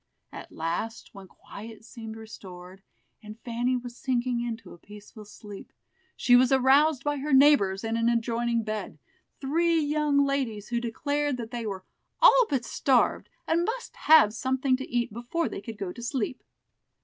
At last, when quiet seemed restored, and Fanny was sinking into a peaceful sleep, she was aroused by her neighbors in an adjoining bed, three young ladies who declared that they were "all but starved, and must have something to eat before they could go to sleep."